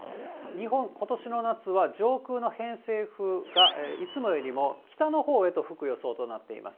日本、ことしの夏は、上空の偏西風がいつもよりも北のほうへと吹く予想となっています。